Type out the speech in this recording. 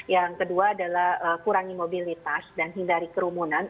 yang kedua adalah kurangi mobilitas dan hindari kerumunan